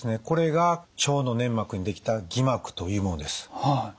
これが腸の粘膜に出来た偽膜というものです。